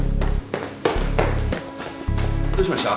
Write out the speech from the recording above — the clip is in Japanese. どうしました？